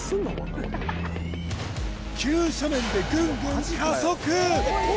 急斜面でぐんぐん加速